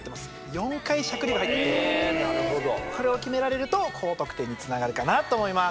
４回しゃくりが入っててこれを決められると高得点につながるかなと思います。